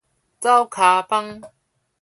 走跤枋